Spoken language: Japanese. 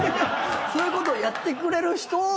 そういうことをやってくれる人の方。